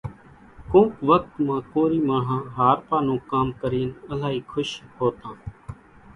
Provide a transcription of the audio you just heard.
ڪونڪ وکت مان ڪورِي ماڻۿان هارپا نون ڪام ڪرينَ الائِي کُش هوتان۔